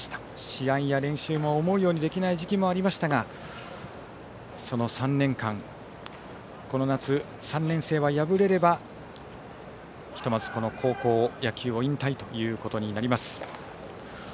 試合や練習も思うようにできない時期がありましたがその３年間、この夏３年生は敗れればひとまず、この高校野球を引退となります。